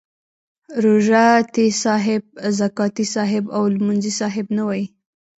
روژه تي صاحب، زکاتې صاحب او لمونځي صاحب نه وایي.